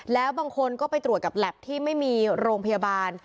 แล้วบางคนก็ไปตรวจกับแล็บที่ไม่มีโรงพยาบาล